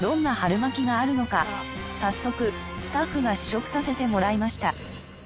早速スタッフが試食させてもらいました。